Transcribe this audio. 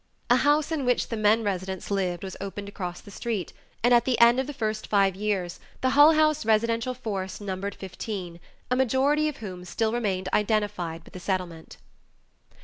A house in which the men residents lived was opened across the street, and at the end of the first five years the Hull House residential force numbered fifteen, a majority of whom still remain identified with the Settlement.